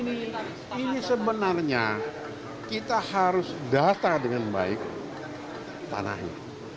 ini sebenarnya kita harus data dengan baik tanahnya